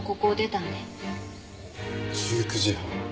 １９時半。